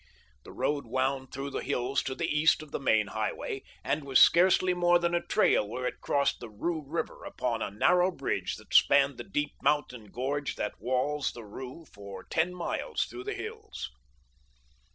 The road wound through the hills to the east of the main highway, and was scarcely more than a trail where it crossed the Ru River upon a narrow bridge that spanned the deep mountain gorge that walls the Ru for ten miles through the hills.